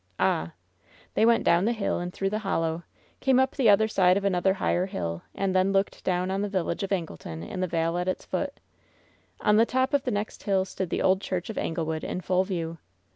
'^ "AhP They went down the hill and through the hollow^ came up the side of another higher hill, and then looked down on the village of Angleton in the vale at its foot. On the top of the next hill stood the Old Church of Anglewood in full view.